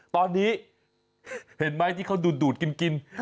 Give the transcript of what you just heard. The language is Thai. ตอนนี้เห็นไหมที่เขาดูดกิน